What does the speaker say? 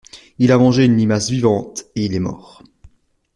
Il a mangé une limace vivante et il est mort.